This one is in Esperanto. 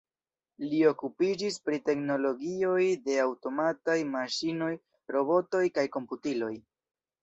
Li okupiĝis pri teknologioj de aŭtomataj maŝinoj, robotoj kaj komputiloj.